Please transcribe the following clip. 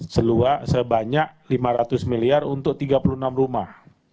sebanyak lima ratus miliar untuk tiga puluh enam rumah